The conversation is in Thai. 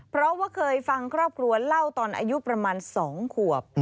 เพราะว่าเคยฟังครอบครัวเล่าตอนอายุประมาณ๒ขวบ